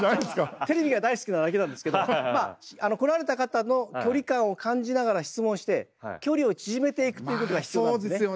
テレビが大好きなだけなんですけど。来られた方の距離感を感じながら質問して距離を縮めていくっていうことが必要なんですね。